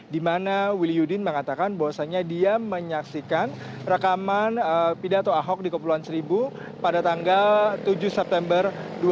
di mana wil yudin mengatakan bahwasannya dia menyaksikan rekaman pidato ahok di kepulauan seribu pada tanggal tujuh september dua ribu dua puluh